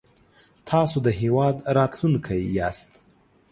تاسو د هېواد راتلونکی ياست